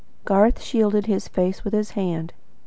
Garth shielded his face with his hand.